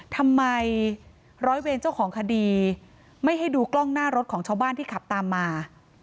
ทำไมร้อยเวรเจ้าของคดีไม่ให้ดูกล้องหน้ารถของชาวบ้านที่ขับตามมา